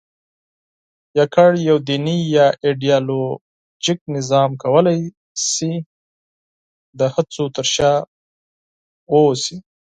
یواځې یوه دیني یا ایدیالوژیک نظام کولای شوای د هڅو تر شا واوسي.